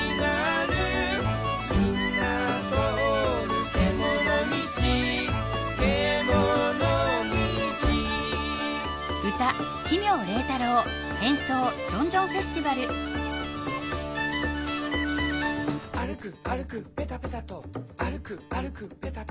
「みんなとおるけものみち」「けものみち」「あるくあるくぺたぺたと」「あるくあるくぺたぺたと」